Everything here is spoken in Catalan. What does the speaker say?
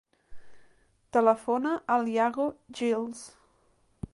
Telefona a l'Iago Giles.